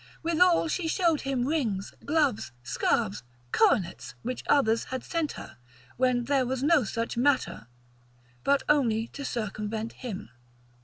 Withal she showed him rings, gloves, scarves, coronets which others had sent her, when there was no such matter, but only to circumvent him.